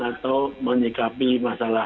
atau menyikapi masalah